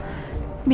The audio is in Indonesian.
tunggu ya bu